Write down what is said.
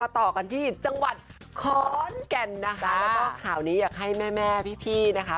ต่อกันที่จังหวัดขอนแก่นนะคะแล้วก็ข่าวนี้อยากให้แม่แม่พี่นะคะ